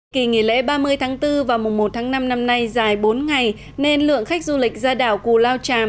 kỳ nghỉ lễ ba mươi tháng bốn và mùa một tháng năm năm nay dài bốn ngày nên lượng khách du lịch ra đảo cù lao tràm